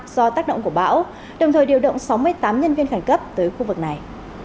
do tác động của bão đồng thời điều động sáu mươi tám nhân viên khẩn cấp tới khu vực này